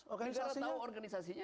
negara tahu organisasinya